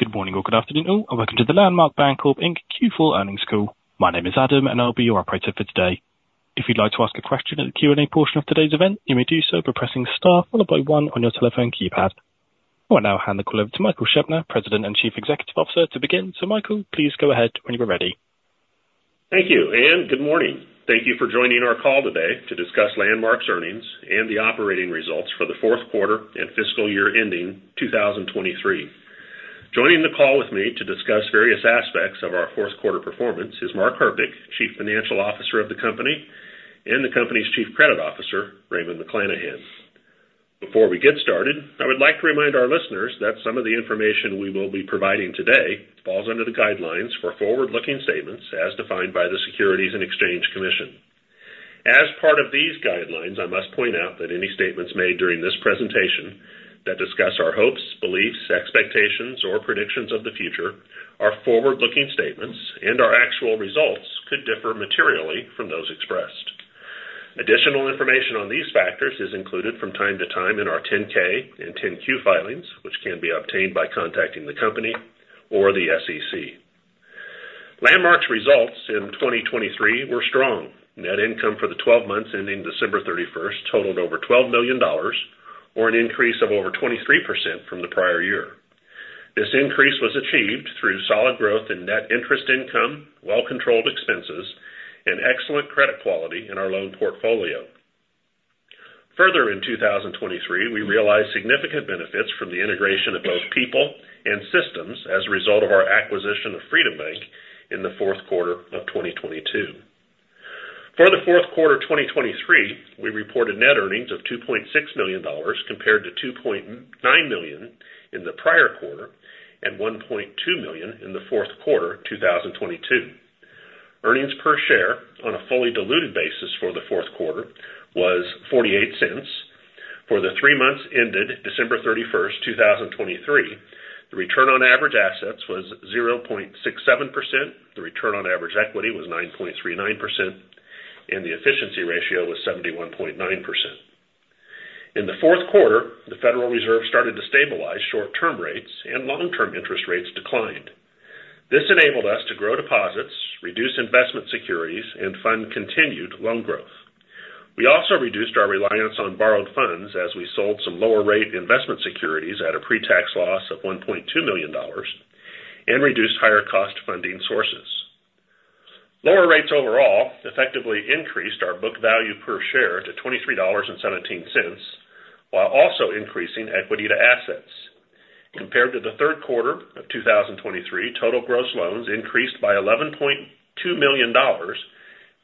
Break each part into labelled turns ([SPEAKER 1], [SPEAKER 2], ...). [SPEAKER 1] Good morning or good afternoon all, and welcome to the Landmark Bancorp Inc. Q4 Earnings Call. My name is Adam, and I'll be your operator for today. If you'd like to ask a question at the Q&A portion of today's event, you may do so by pressing star followed by one on your telephone keypad. I will now hand the call over to Michael Scheopner, President and Chief Executive Officer, to begin. So Michael, please go ahead when you are ready.
[SPEAKER 2] Thank you, and good morning. Thank you for joining our call today to discuss Landmark's Earnings and the Operating Results for the fourth quarter and fiscal year ending 2023. Joining the call with me to discuss various aspects of our fourth quarter performance is Mark A. Herpich, Chief Financial Officer of the company, and the company's Chief Credit Officer, Raymond McLanahan. Before we get started, I would like to remind our listeners that some of the information we will be providing today falls under the guidelines for forward-looking statements as defined by the Securities and Exchange Commission. As part of these guidelines, I must point out that any statements made during this presentation that discuss our hopes, beliefs, expectations, or predictions of the future are forward-looking statements, and our actual results could differ materially from those expressed. Additional information on these factors is included from time to time in our 10-K and 10-Q filings, which can be obtained by contacting the company or the SEC. Landmark's results in 2023 were strong. Net income for the 12 months ending December 31st totaled over $12 million, or an increase of over 23% from the prior year. This increase was achieved through solid growth in net interest income, well-controlled expenses, and excellent credit quality in our loan portfolio. Further, in 2023, we realized significant benefits from the integration of both people and systems as a result of our acquisition of Freedom Bank in the fourth quarter of 2022. For the fourth quarter of 2023, we reported net earnings of $2.6 million, compared to $2.9 million in the prior quarter and $1.2 million in the fourth quarter of 2022. Earnings per share on a fully diluted basis for the fourth quarter was $0.48. For the three months ended December 31, 2023, the return on average assets was 0.67%, the return on average equity was 9.39%, and the efficiency ratio was 71.9%. In the fourth quarter, the Federal Reserve started to stabilize short-term rates, and long-term interest rates declined. This enabled us to grow deposits, reduce investment securities, and fund continued loan growth. We also reduced our reliance on borrowed funds as we sold some lower rate investment securities at a pre-tax loss of $1.2 million and reduced higher cost funding sources. Lower rates overall effectively increased our book value per share to $23.17, while also increasing equity to assets. Compared to the third quarter of 2023, total gross loans increased by $11.2 million,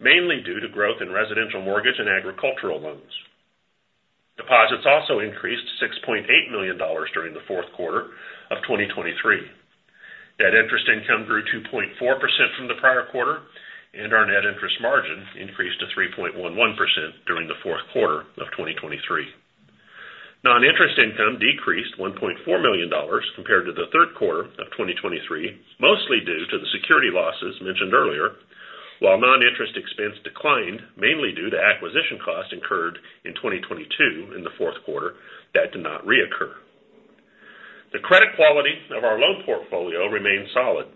[SPEAKER 2] mainly due to growth in Residential Mortgage and Agricultural Loans. Deposits also increased $6.8 million during the fourth quarter of 2023. Net interest income grew 2.4% from the prior quarter, and our net interest margin increased to 3.11% during the fourth quarter of 2023. Non-Interest Income decreased $1.4 million compared to the third quarter of 2023, mostly due to the security losses mentioned earlier, while Non-Interest Expense declined, mainly due to acquisition costs incurred in 2022 in the fourth quarter, that did not reoccur. The credit quality of our loan portfolio remains solid.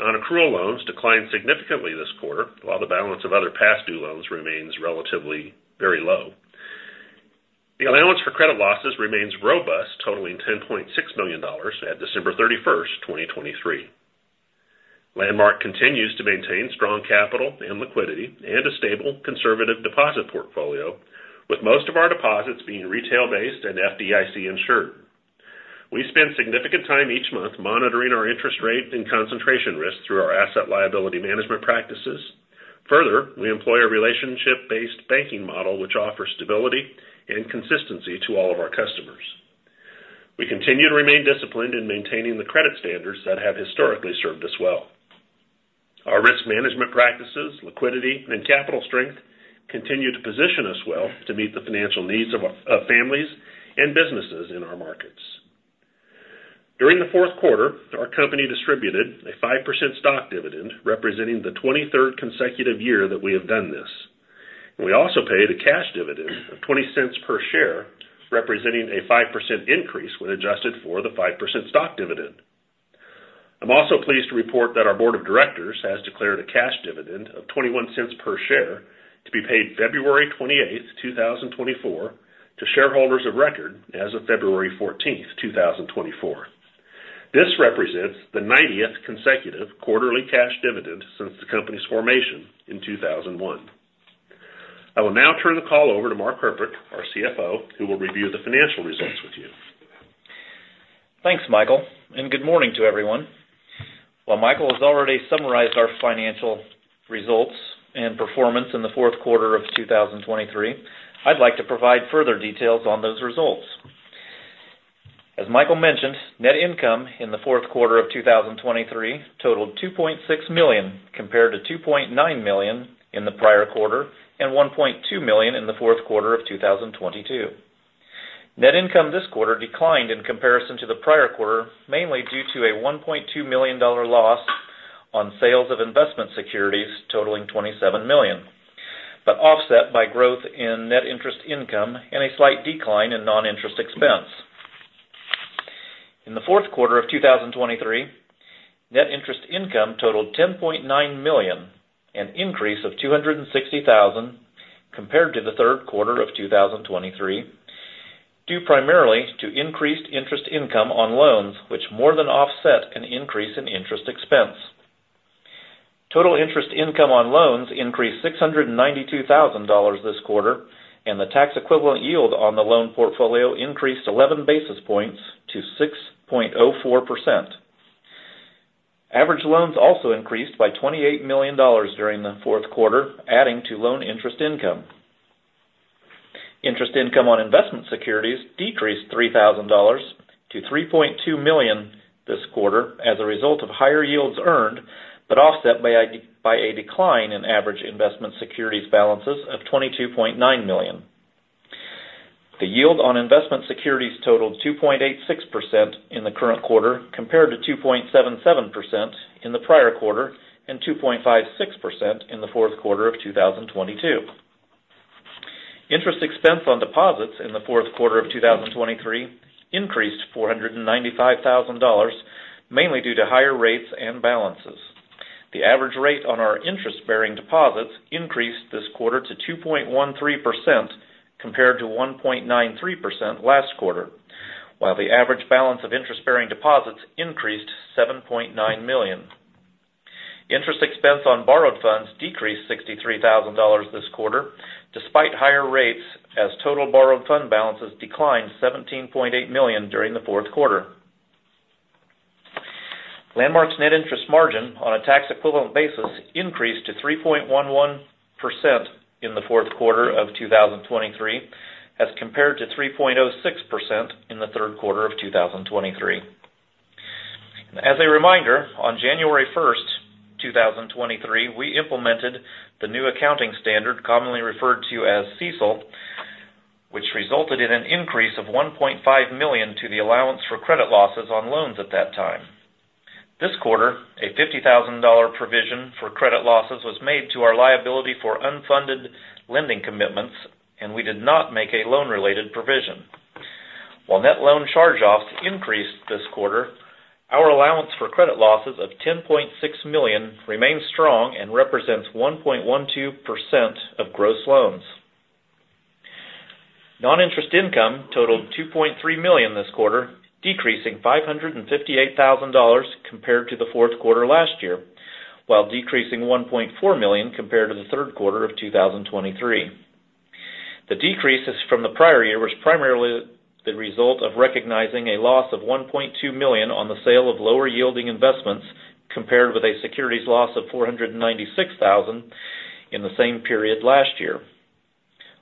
[SPEAKER 2] Nonaccrual loans declined significantly this quarter, while the balance of other past due loans remains relatively very low. The Allowance for Credit Losses remains robust, totaling $10.6 million at December 31, 2023. Landmark continues to maintain strong capital and liquidity and a stable, conservative deposit portfolio, with most of our deposits being retail-based and FDIC-insured. We spend significant time each month monitoring our interest rate and concentration risk through our asset liability management practices. Further, we employ a relationship-based banking model, which offers stability and consistency to all of our customers. We continue to remain disciplined in maintaining the credit standards that have historically served us well. Our risk management practices, liquidity, and capital strength continue to position us well to meet the financial needs of families and businesses in our markets. During the fourth quarter, our company distributed a 5% stock dividend, representing the 23rd consecutive year that we have done this. We also paid a cash dividend of $0.20 per share, representing a 5% increase when adjusted for the 5% stock dividend. I'm also pleased to report that our board of directors has declared a cash dividend of $0.21 per share to be paid February 28, 2024, to shareholders of record as of February 14, 2024. This represents the 90th consecutive quarterly cash dividend since the company's formation in 2001. I will now turn the call over to Mark Herpich, our CFO, who will review the financial results with you.
[SPEAKER 3] Thanks, Michael, and good morning to everyone. While Michael has already summarized our financial results and performance in the fourth quarter of 2023, I'd like to provide further details on those results. As Michael mentioned, net income in the fourth quarter of 2023 totaled $2.6 million, compared to $2.9 million in the prior quarter and $1.2 million in the fourth quarter of 2022. Net income this quarter declined in comparison to the prior quarter, mainly due to a $1.2 million loss on sales of investment securities totaling $27 million.... but offset by growth in net interest income and a slight decline in non-interest expense. In the fourth quarter of 2023, net interest income totaled $10.9 million, an increase of $260,000 compared to the third quarter of 2023, due primarily to increased interest income on loans, which more than offset an increase in interest expense. Total interest income on loans increased $692,000 this quarter, and the tax equivalent yield on the loan portfolio increased 11 basis points to 6.04%. Average loans also increased by $28 million during the fourth quarter, adding to loan interest income. Interest income on investment securities decreased $3,000 to $3.2 million this quarter as a result of higher yields earned, but offset by a decline in average investment securities balances of $22.9 million. The yield on investment securities totaled 2.86% in the current quarter, compared to 2.77% in the prior quarter and 2.56% in the fourth quarter of 2022. Interest expense on deposits in the fourth quarter of 2023 increased $495,000, mainly due to higher rates and balances. The average rate on our interest-bearing deposits increased this quarter to 2.13%, compared to 1.93% last quarter, while the average balance of interest-bearing deposits increased $7.9 million. Interest expense on borrowed funds decreased $63,000 this quarter, despite higher rates, as total borrowed fund balances declined $17.8 million during the fourth quarter. Landmark's net interest margin on a tax equivalent basis increased to 3.11% in the fourth quarter of 2023, as compared to 3.06% in the third quarter of 2023. As a reminder, on January 1, 2023, we implemented the new accounting standard, commonly referred to as CECL, which resulted in an increase of $1.5 million to the allowance for credit losses on loans at that time. This quarter, a $50,000 provision for credit losses was made to our liability for unfunded lending commitments, and we did not make a loan-related provision. While net loan charge-offs increased this quarter, our allowance for credit losses of $10.6 million remains strong and represents 1.12% of gross loans. Non-interest income totaled $2.3 million this quarter, decreasing $558,000 compared to the fourth quarter last year, while decreasing $1.4 million compared to the third quarter of 2023. The decreases from the prior year was primarily the result of recognizing a loss of $1.2 million on the sale of lower yielding investments, compared with a securities loss of $496,000 in the same period last year.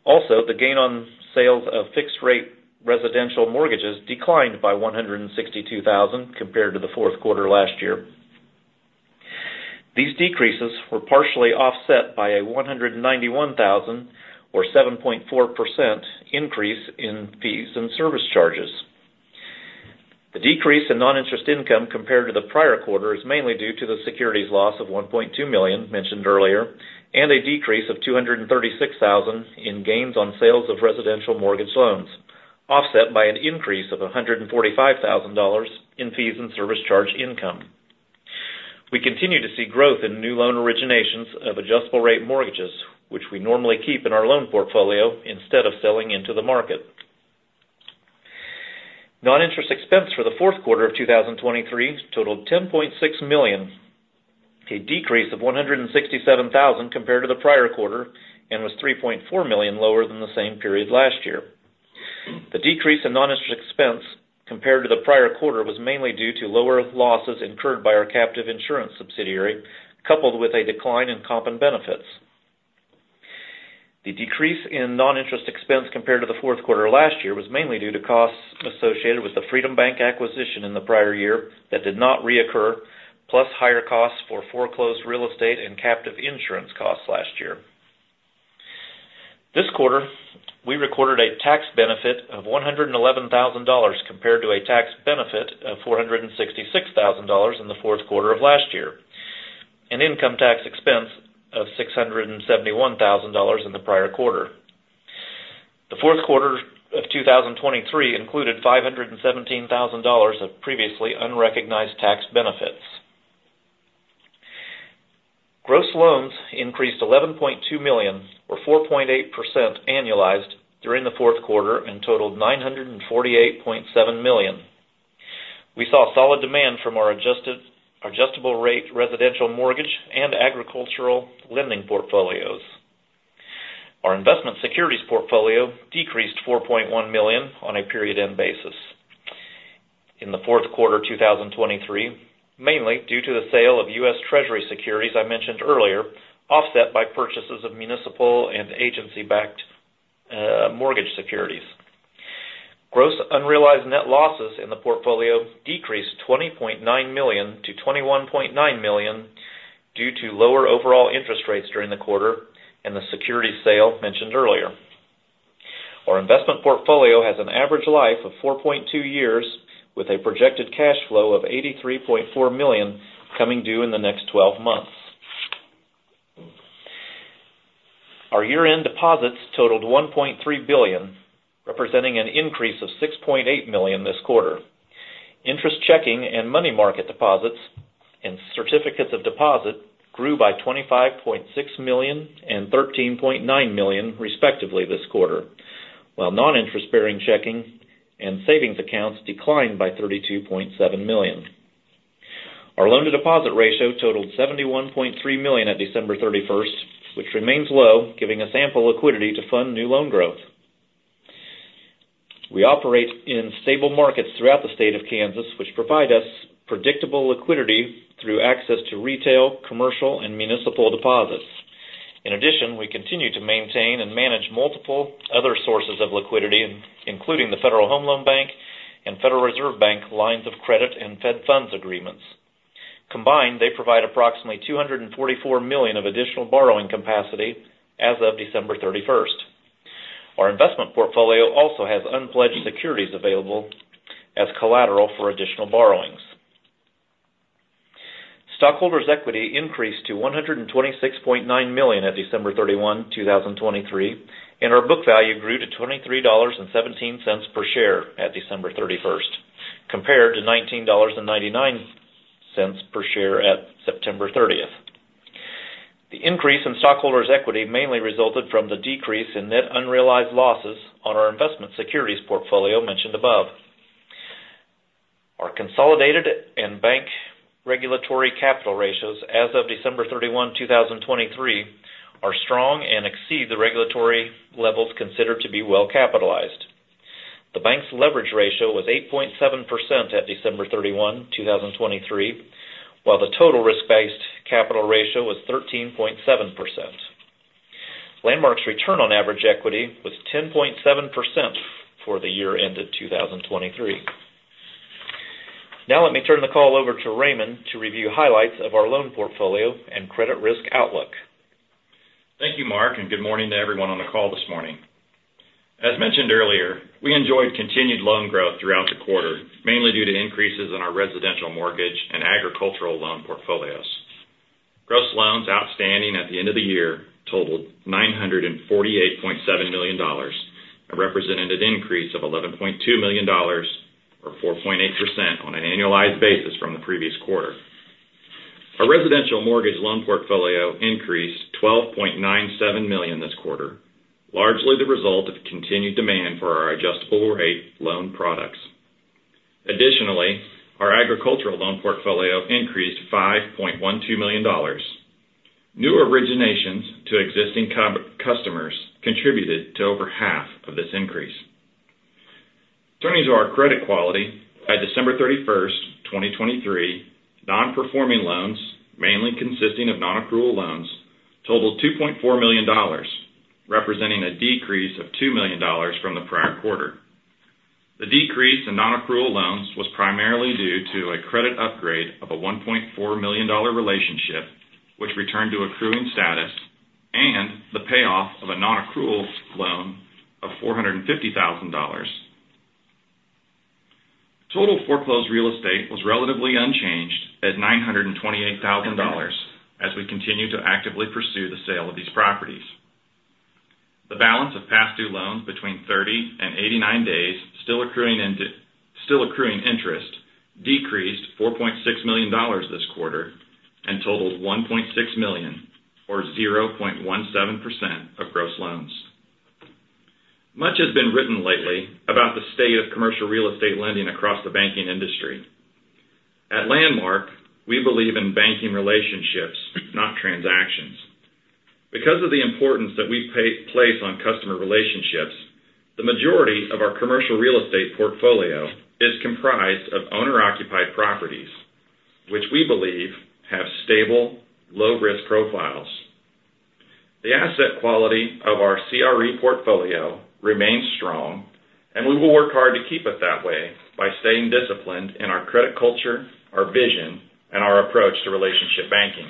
[SPEAKER 3] Also, the gain on sales of fixed-rate residential mortgages declined by $162,000 compared to the fourth quarter last year. These decreases were partially offset by a $191,000, or 7.4%, increase in fees and service charges. The decrease in Non-Interest Income compared to the prior quarter is mainly due to the securities loss of $1.2 million mentioned earlier, and a decrease of $236,000 in gains on sales of residential mortgage loans, offset by an increase of $145,000 in fees and service charge income. We continue to see growth in new loan originations of adjustable-rate mortgages, which we normally keep in our loan portfolio instead of selling into the market. Non-Interest Expense for the fourth quarter of 2023 totaled $10.6 million, a decrease of $167,000 compared to the prior quarter, and was $3.4 million lower than the same period last year. The decrease in non-interest expense compared to the prior quarter was mainly due to lower losses incurred by our captive insurance subsidiary, coupled with a decline in comp and benefits. The decrease in non-interest expense compared to the fourth quarter last year was mainly due to costs associated with the Freedom Bank acquisition in the prior year that did not reoccur, plus higher costs for foreclosed real estate and captive insurance costs last year. This quarter, we recorded a tax benefit of $111,000, compared to a tax benefit of $466,000 in the fourth quarter of last year, an income tax expense of $671,000 in the prior quarter. The fourth quarter of 2023 included $517,000 of previously unrecognized tax benefits. Gross loans increased $11.2 million, or 4.8% annualized, during the fourth quarter and totaled $948.7 million. We saw solid demand from our adjustable-rate residential mortgage and agricultural lending portfolios. Our investment securities portfolio decreased $4.1 million on a period-end basis. In the fourth quarter of 2023, mainly due to the sale of U.S. Treasury securities I mentioned earlier, offset by purchases of municipal and agency-backed mortgage securities. Gross unrealized net losses in the portfolio decreased $20.9 million to $21.9 million due to lower overall interest rates during the quarter and the securities sale mentioned earlier. Our investment portfolio has an average life of 4.2 years, with a projected cash flow of $83.4 million coming due in the next 12 months. Our year-end deposits totaled $1.3 billion, representing an increase of $6.8 million this quarter. Interest checking and money market deposits and certificates of deposit grew by $25.6 million and $13.9 million, respectively, this quarter, while non-interest bearing checking and savings accounts declined by $32.7 million. Our loan-to-deposit ratio totaled 71.3% at December 31, which remains low, giving us ample liquidity to fund new loan growth. We operate in stable markets throughout the state of Kansas, which provide us predictable liquidity through access to retail, commercial, and municipal deposits. In addition, we continue to maintain and manage multiple other sources of liquidity, including the Federal Home Loan Bank and Federal Reserve Bank lines of credit and Fed Funds agreements. Combined, they provide approximately $244 million of additional borrowing capacity as of December 31. Our investment portfolio also has unpledged securities available as collateral for additional borrowings. Stockholders' equity increased to $126.9 million at December 31, 2023, and our book value grew to $23.17 per share at December 31, compared to $19.99 per share at September 30. The increase in stockholders' equity mainly resulted from the decrease in net unrealized losses on our investment securities portfolio mentioned above. Our consolidated and bank regulatory capital ratios as of December 31, 2023, are strong and exceed the regulatory levels considered to be well capitalized. The bank's Leverage Ratio was 8.7% at December 31, 2023, while the total Risk-Based Capital Ratio was 13.7%. Landmark's return on average equity was 10.7% for the year ended 2023. Now let me turn the call over to Raymond to review highlights of our loan portfolio and credit risk outlook.
[SPEAKER 4] Thank you, Mark, and good morning to everyone on the call this morning. As mentioned earlier, we enjoyed continued loan growth throughout the quarter, mainly due to increases in our Residential Mortgage and Agricultural Loan portfolios. Gross loans outstanding at the end of the year totaled $948.7 million and represented an increase of $11.2 million, or 4.8% on an annualized basis from the previous quarter. Our residential mortgage loan portfolio increased $12.97 million this quarter, largely the result of continued demand for our adjustable rate loan products. Additionally, our agricultural loan portfolio increased $5.12 million. New originations to existing customers contributed to over half of this increase. Turning to our credit quality, by December 31, 2023, non-performing loans, mainly consisting of nonaccrual loans, totaled $2.4 million, representing a decrease of $2 million from the prior quarter. The decrease in nonaccrual loans was primarily due to a credit upgrade of a $1.4 million relationship, which returned to accruing status and the payoff of a nonaccrual loan of $450,000. Total foreclosed real estate was relatively unchanged at $928,000 as we continue to actively pursue the sale of these properties. The balance of past due loans between 30 and 89 days, still accruing interest, decreased $4.6 million this quarter and totaled $1.6 million, or 0.17% of gross loans. Much has been written lately about the state of commercial real estate lending across the banking industry. At Landmark, we believe in banking relationships, not transactions. Because of the importance that we place on customer relationships, the majority of our commercial real estate portfolio is comprised of owner-occupied properties, which we believe have stable, low risk profiles. The asset quality of our CRE portfolio remains strong, and we will work hard to keep it that way by staying disciplined in our credit culture, our vision, and our approach to relationship banking.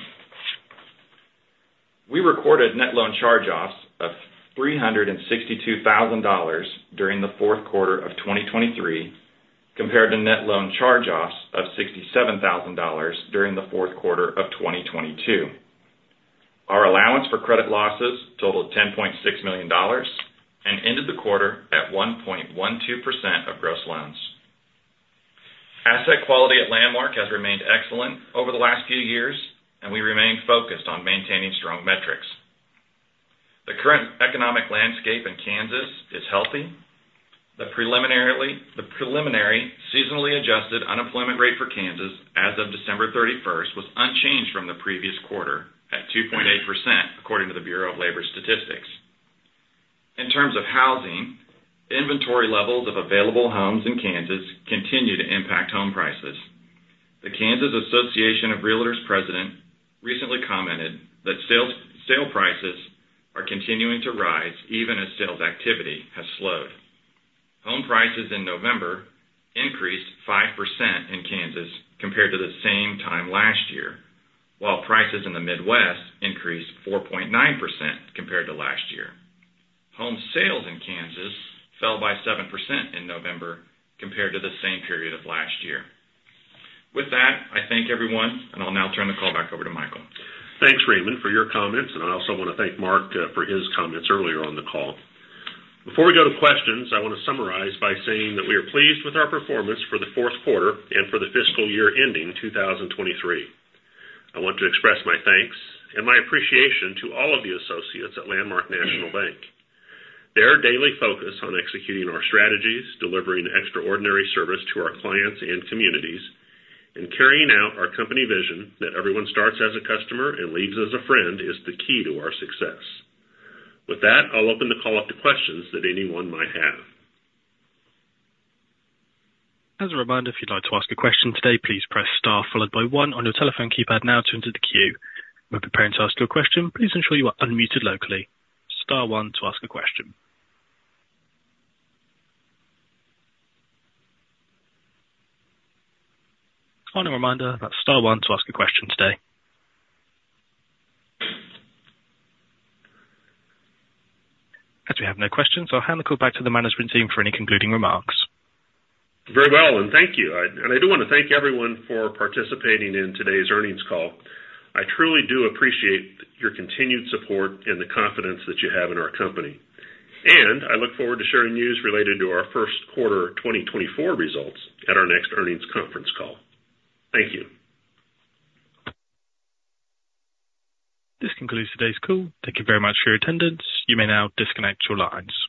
[SPEAKER 4] We recorded net loan charge-offs of $362,000 during the fourth quarter of 2023, compared to net loan charge-offs of $67,000 during the fourth quarter of 2022. Our allowance for credit losses totaled $10.6 million and ended the quarter at 1.12% of gross loans. Asset quality at Landmark has remained excellent over the last few years, and we remain focused on maintaining strong metrics. The current economic landscape in Kansas is healthy. The preliminary seasonally adjusted unemployment rate for Kansas as of December thirty-first was unchanged from the previous quarter at 2.8%, according to the Bureau of Labor Statistics. In terms of housing, inventory levels of available homes in Kansas continue to impact home prices. The Kansas Association of Realtors President recently commented that sale prices are continuing to rise even as sales activity has slowed. Home prices in November increased 5% in Kansas compared to the same time last year, while prices in the Midwest increased 4.9% compared to last year. Home sales in Kansas fell by 7% in November compared to the same period of last year. With that, I thank everyone, and I'll now turn the call back over to Michael.
[SPEAKER 2] Thanks, Raymond, for your comments, and I also want to thank Mark for his comments earlier on the call. Before we go to questions, I want to summarize by saying that we are pleased with our performance for the fourth quarter and for the fiscal year ending 2023. I want to express my thanks and my appreciation to all of the associates at Landmark National Bank. Their daily focus on executing our strategies, delivering extraordinary service to our clients and communities, and carrying out our company vision, that everyone starts as a customer and leaves as a friend, is the key to our success. With that, I'll open the call up to questions that anyone might have.
[SPEAKER 1] As a reminder, if you'd like to ask a question today, please press star followed by one on your telephone keypad now to enter the queue. When preparing to ask your question, please ensure you are unmuted locally. Star one to ask a question. Final reminder, that's star one to ask a question today. As we have no questions, I'll hand the call back to the management team for any concluding remarks.
[SPEAKER 2] Very well, and thank you. I do want to thank everyone for participating in today's earnings call. I truly do appreciate your continued support and the confidence that you have in our company, and I look forward to sharing news related to our first quarter 2024 results at our next earnings conference call. Thank you.
[SPEAKER 1] This concludes today's call. Thank you very much for your attendance. You may now disconnect your lines.